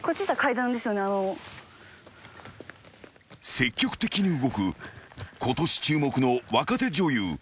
［積極的に動くことし注目の若手女優